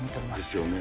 ですよね。